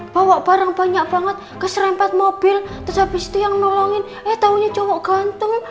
bawa barang banyak banget keserempat mobil terus habis itu yang nolongin eh taunya cowok ganteng